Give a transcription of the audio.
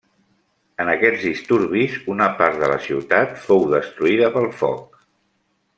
En aquests disturbis una part de la ciutat fou destruïda pel foc.